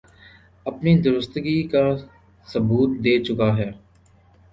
اپنی درستگی کا ثبوت دے چکا ہے